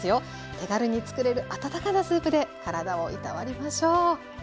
手軽につくれる温かなスープで体をいたわりましょう。